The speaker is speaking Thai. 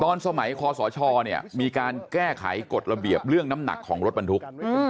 ตอนสมัยคอสชเนี่ยมีการแก้ไขกฎระเบียบเรื่องน้ำหนักของรถบรรทุก